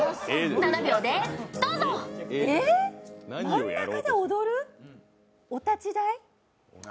真ん中で踊るお立ち台？